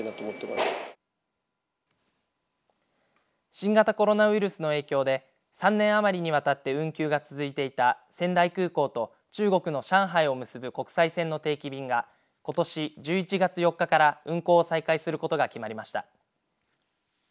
新型コロナウイルスの影響で３年余りにわたって運休が続いていた仙台空港と中国の上海を結ぶ国際線の定期便がことし１１月４日から運航を再開することが決まりました。